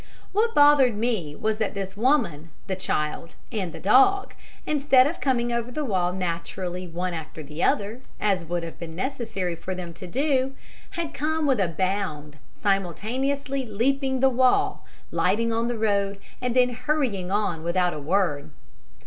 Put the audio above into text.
What bothered me was that the woman, the child, and the dog, instead of coming over the wall naturally one after the other, as would have been necessary for them to do, had come over with a bound, simultaneously leaping the wall, lighting on the road, and then hurrying on without a word.